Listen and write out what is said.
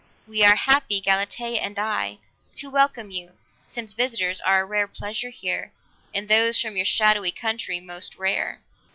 "We are happy, Galatea and I, to welcome you, since visitors are a rare pleasure here, and those from your shadowy country most rare."